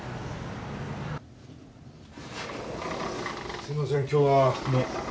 ・すいません今日はもう。